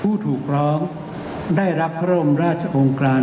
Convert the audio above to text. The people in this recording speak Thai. ผู้ถูกร้องได้รับพระรมราชองค์การ